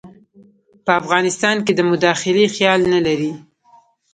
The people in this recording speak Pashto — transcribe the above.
په افغانستان کې د مداخلې خیال نه لري.